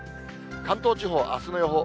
関東地方、あすの予報。